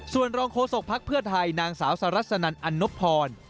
ส่วนรองโฆษกภักดิ์เพื่อไทยนางสาวสรัสนันอันนบพร